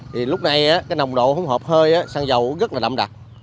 thì lúc này cái nồng độ không hợp hơi xăng dầu cũng rất là đậm đặc